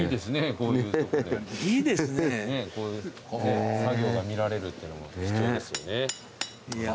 こういう作業が見られるっていうのも貴重ですよね。